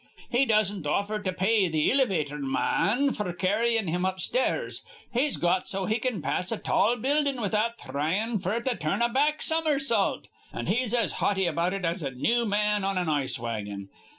He doesn't offer to pay th' ilivator ma an f'r carryin' him upstairs. He's got so he can pass a tall buildin' without thryin' f'r to turn a back summersault. An' he's as haughty about it as a new man on an ice wagon.